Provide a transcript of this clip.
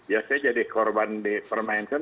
ya saya jadi korban dipermainkan